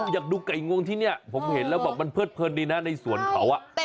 อยากดูไก่งวงที่เนี่ยมันเพิริดเพิ่มในสวนเขา